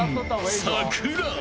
桜。